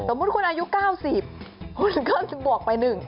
สมมุติคุณอายุ๙๐คุณก็บวกไปหนึ่ง